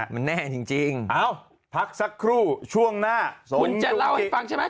มันแน่จริงเอ้าพักสักครู่ช่วงหน้าคุณจะเล่าให้ฟังใช่ไหม